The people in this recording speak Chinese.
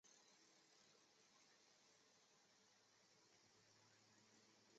波莫纳加州州立理工大学位于本市。